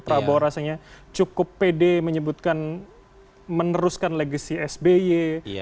prabowo rasanya cukup pede menyebutkan meneruskan legacy sby